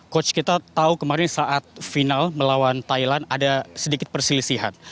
coach kita tahu kemarin saat final melawan thailand ada sedikit perselisihan